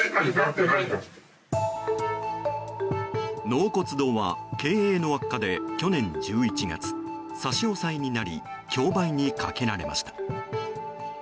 納骨堂は経営の悪化で去年１１月差し押さえになり競売にかけられました。